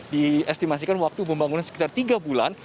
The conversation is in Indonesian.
diestimasikan waktu pembangunan sekitar tiga bulan